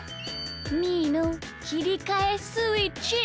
みーのきりかえスイッチ！